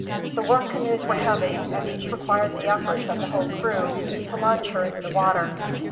The war canoes were heavy, and each required the efforts of the whole of the crew to launch her into the water.